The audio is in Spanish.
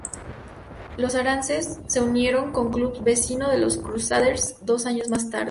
Los Saracens se unieron con club "vecino" de los Crusaders dos años más tarde.